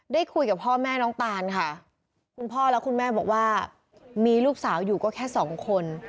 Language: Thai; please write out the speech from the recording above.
ได้คุยกับพ่อแม่น้องตานค่ะคุณพ่อและคุณแม่บอกว่ามีลูกสาวอยู่ก็แค่สองคน